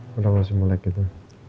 padahal masih melek gitu